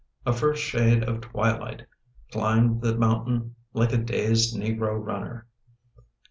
A first shade of twilight climbed the moun tain, like a dazed negro runner.